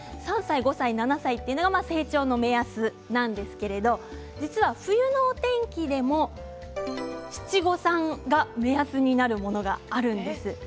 ３歳５歳７歳というのが成長の目安なんですが実は冬のお天気でも「７・５・３」の目安になるものがあるんです。